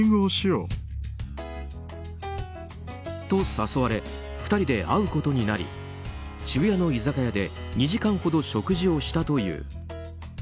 と、誘われ２人で会うことになり渋谷の居酒屋で２時間ほど食事をしたという。